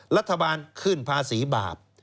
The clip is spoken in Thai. รัฐบาลขึ้นภาษีบาป